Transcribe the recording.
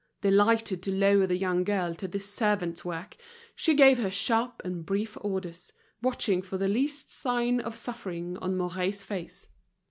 Delighted to lower the young girl to this servant's work, she gave her sharp and brief orders, watching for the least sign of suffering on Mouret's face.